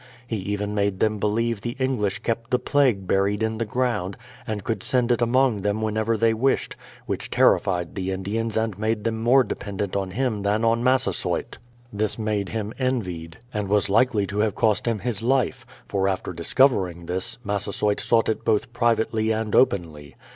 He even made them believe the English kept the plague buried in the ground, and could send it among them whenever they wished, which terrified the Indians and rnade them more dependent on him than on Massasoyt. This made him envied, and was likely to have cost him his life; for, after discovering this, Massasoyt sought it both privately and openly.